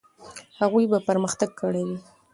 هغوی به پرمختګ کړی وي.